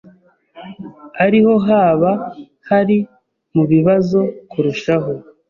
ariho haba hari mu bibazo kurushaho,